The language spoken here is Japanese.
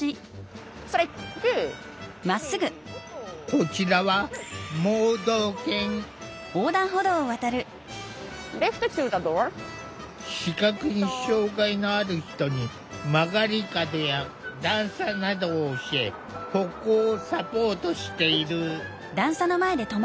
こちらは視覚に障害のある人に曲がり角や段差などを教え歩行をサポートしている。